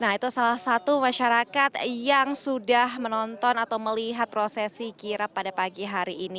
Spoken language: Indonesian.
nah itu salah satu masyarakat yang sudah menonton atau melihat prosesi kirap pada pagi hari ini